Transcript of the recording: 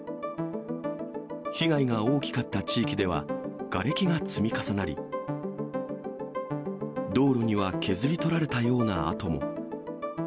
被害が大きかった地域では、がれきが積み重なり、道路には削り取られたような跡も。